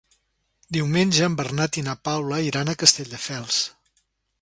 Diumenge en Bernat i na Paula iran a Castelldefels.